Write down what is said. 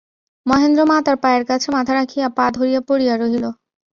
মহেন্দ্র মাতার পায়ের কাছে মাথা রাখিয়া পা ধরিয়া পড়িয়া রহিল।